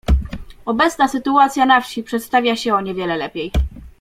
"Obecna sytuacja na wsi przedstawia się o niewiele lepiej."